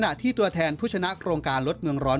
ที่ตัวแทนผู้ชนะโครงการลดเมืองร้อน